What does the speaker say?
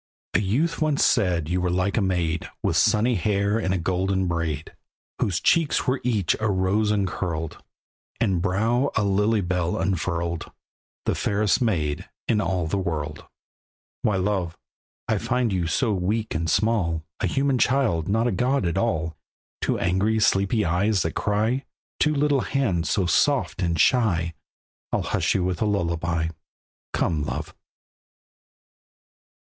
A youth once said you were like a maid With sunny hair in a golden braid; Whose cheeks were each a rose uncurled; And brow a lilybell unfurled; The fairest maid in all the world. Why love! I find you so weak and small, A human child, not a god at all; Two angry, sleepy eyes that cry, Two little hands so soft and shy, I'll hush you with a lullaby. Come, love!